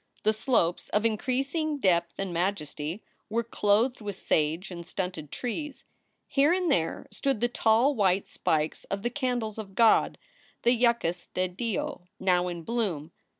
The slopes, of increasing depth and majesty, were clothed with sage and stunted trees. Here and there stood the tall white spikes of the "candles of God," the yuccas de Dios, now in bloom.